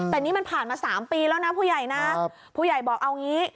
แต่นี่มันผ่านมา๓ปีแล้วนะผู้ใหญ่นะผู้ใหญ่บอกเอางี้